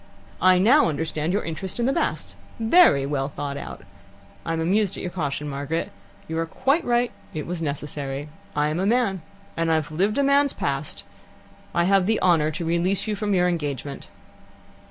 "I now understand your interest in the Basts. Very well thought out. I am amused at your caution, Margaret. You are quite right it was necessary. I am a man, and have lived a man's past. I have the honour to release you from your engagement."